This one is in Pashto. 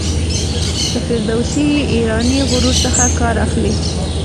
د فردوسي ایرانی غرور څخه کار اخلي.